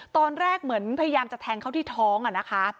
ตอนแรกเหมือนพยายามจะแทงเขาที่ท้องอะนะคะ